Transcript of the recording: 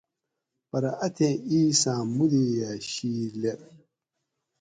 پرہ اتھی اِیساں مودئی ۤا شِید لید